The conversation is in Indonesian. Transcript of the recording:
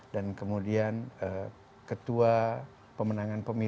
dan kemudian ketua pemenangan negeri